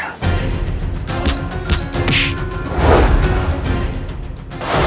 ayok kejar aku kalau bisa